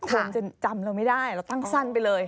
คนจะจำเราไม่ได้เราตั้งสั้นไปเลย